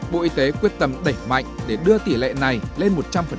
bộ y tế quyết tâm đẩy mạnh để đưa tỷ lệ này lên một trăm linh